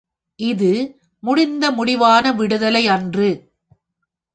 இது முடிந்த முடிவான விடுதலை அன்று.